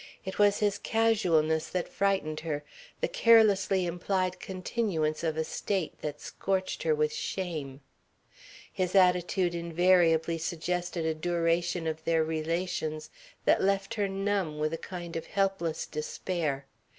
It was his casualness that frightened her, the carelessly implied continuance of a state that scorched her with shame. His attitude invariably suggested a duration of their relations that left her numb with a kind of helpless despair.